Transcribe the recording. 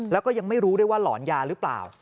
แล้วก็ยังไม่รู้ด้วยว่าหลอนยาหรือเปล่า